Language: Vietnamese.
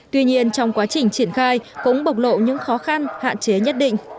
tuy nhiên trong quá trình triển khai cũng bộc lộ những khó khăn hạn chế nhất định